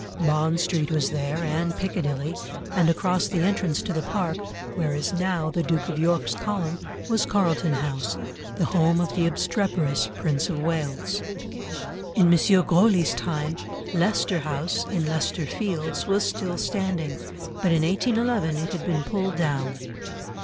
Bond Street was there and Piccadilly, and across the entrance to the Park, where is now the Duke of York's column, was Carlton House, the home of the obstreperous Prince of Wales. In M. Grosley's time, Leicester House, in Leicester Fields, was still standing, but in 1811 it had been pulled down.